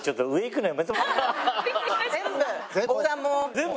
全部。